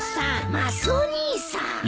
マスオ兄さん。